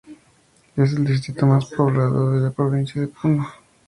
Es el distrito más poblado de la Provincia de Puno.